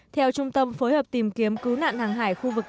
theo trung tâm phối hợp tìm kiếm cứu nạn hàng hải khu vực